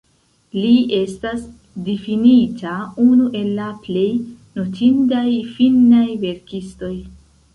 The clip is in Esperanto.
Li estas difinita unu el la plej notindaj finnaj verkistoj.